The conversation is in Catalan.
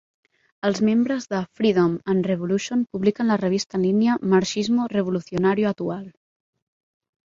Els membres de "Freedom and Revolution" publiquen la revista en línia "Marxismo Revolucionario Atual".